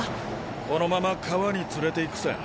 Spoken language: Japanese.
このまま河に連れていくさ。